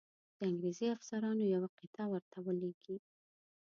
د انګرېزي افسرانو یوه قطعه ورته ولیږي.